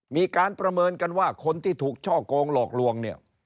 มีการประเมินกันว่าคนที่ถูกช่อกงหลอกลวงเนี่ย